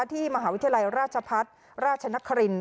ที่มหาวิทยาลัยราชพัฒน์ราชนคริน